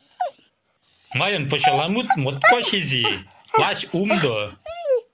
Мыйын почеламут моткоч изи — лач умдо.